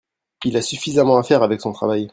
Il a suffisamment à faire avec son travail.